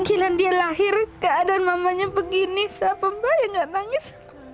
gila dia lahir keadaan mamanya begini siapa bayang gak nangis